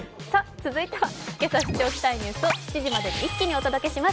続いては今朝知っておきたいニュースを７時までまとめてお届けします。